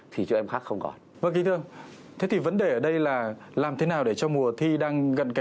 thì cho em khác không còn